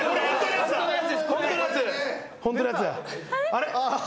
あれ？